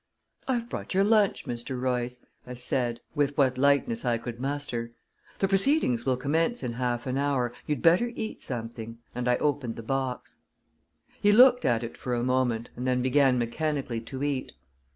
"I've brought your lunch, Mr. Royce," I said, with what lightness I could muster. "The proceedings will commence in half an hour you'd better eat something," and I opened the box. He looked at it for a moment, and then began mechanically to eat.